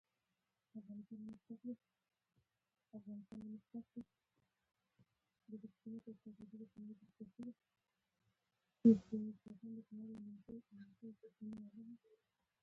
چین نوې انرژۍ ته پام کوي.